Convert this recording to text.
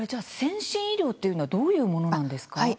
先進医療というのはどういうものなんですか？